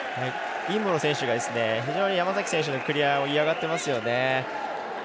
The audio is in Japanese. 尹夢ろ選手が非常に山崎選手のクリアを嫌がっていますよね。